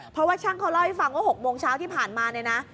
เพราะว่าช่างเขาเล่าให้ฟังว่า๖โมงเช้าที่ผ่านมาเนี่ยนะ